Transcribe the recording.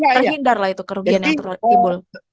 terhindar lah itu kerugian yang terlalu timbul